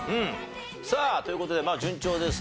さあという事で順調ですね。